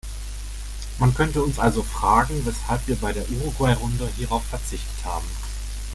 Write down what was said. Man könnte uns also fragen, weshalb wir bei der Uruguay-Runde hierauf verzichtet haben.